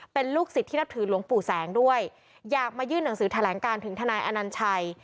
เป็นลูกศิษย์ที่นับถือหลวงปู่แสงด้วยอยากมายื่นหนังสือแถลงการถึงทนายอนัญชัย